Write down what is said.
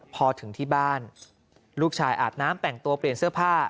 พอถึงที่บ้านลูกชายอาบน้ำแต่งตัวเปลี่ยนเสื้อผ้า